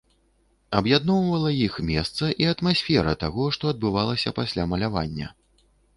Аб'ядноўвала іх месца і атмасфера таго, што адбывалася пасля малявання.